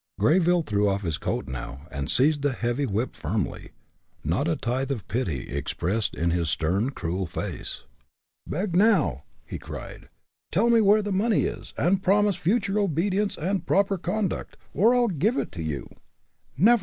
Greyville threw off his coat now, and seized the heavy whip firmly, not a tithe of pity expressed in his stern, cruel face. "Beg, now!" he cried. "Tell me where the money is, and promise future obedience and proper conduct, or I'll give it to you!" "Never!